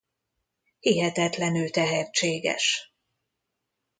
Hihetetlenül tehetséges.